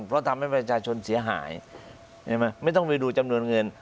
เพราะทำให้ประชาชนเสียหายไม่ต้องไปดูจำนวนเงิน